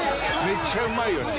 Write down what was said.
めっちゃうまいよね。